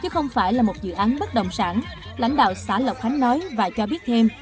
chứ không phải là một dự án bất động sản lãnh đạo xã lộc khánh nói và cho biết thêm